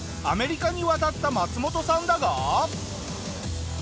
アメリカに渡ったマツモトさんだが。